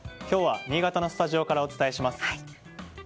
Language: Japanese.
今日は新潟のスタジオからお伝えします。